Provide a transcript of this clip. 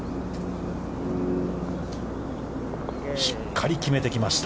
しっかり決めてきました。